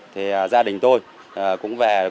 thì gia đình tôi cũng về